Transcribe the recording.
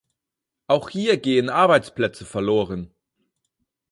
Auch hier gehen Arbeitsplätze verloren!